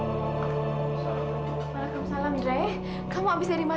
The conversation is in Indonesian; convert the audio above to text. assalamualaikum idrey kamu habis dari mana